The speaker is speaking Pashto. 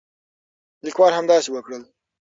لیکوال همداسې وکړل.